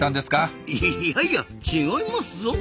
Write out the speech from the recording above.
いいやいや違いますぞ。